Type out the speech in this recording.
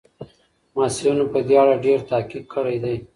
محصلینو په دې اړه ډېر تحقیق کړی دی.